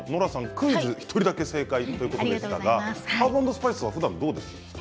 クイズ１人だけ正解でしたがハーブ＆スパイスふだんどうですか。